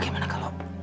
kita teruskan lain waktu